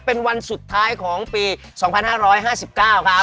เป็นวันสุดท้ายของปี๒๕๕๙ครับ